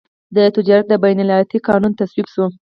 د تجارت د بین الایالتي قانون تصویب شو.